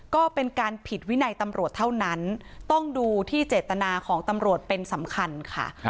ก็เป็นการผิดวินัยตำรวจเท่านั้นต้องดูที่เจตนาของตำรวจเป็นสำคัญค่ะ